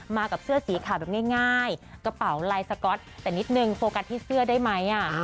มากับเสื้อสีขาวแบบง่ายกระเป๋าลายสก๊อตแต่นิดนึงโฟกัสที่เสื้อได้ไหม